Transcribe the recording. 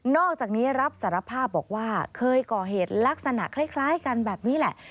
อกจากนี้รับสารภาพบอกว่าเคยก่อเหตุลักษณะคล้ายกันแบบนี้แหละ